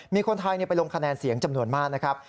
มีคนไทยไปลงคะแนนเสียงจำนวนมากนะครับ